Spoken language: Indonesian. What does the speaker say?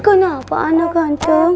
kenapa anak ganteng